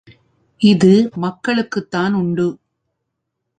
இது மக்களுக்குத் தான் உண்டு.